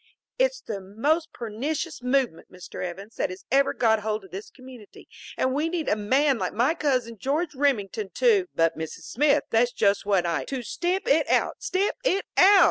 "It's the most pernicious movement, Mr. Evans, that has ever got hold of this community and we need a man like my cousin George Remington to " "But, Mrs. Smith, that's just what I " "To stamp it out! Stamp it out!